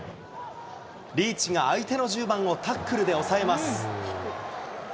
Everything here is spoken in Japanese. リーチが相手の１０番をタックルで押さえます。